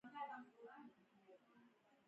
د ګورکي کلی موقعیت